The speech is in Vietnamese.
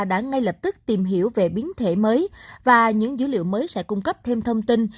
đã ngay lập tức tìm hiểu về biến thể mới và những dữ liệu mới sẽ cung cấp thêm thông tin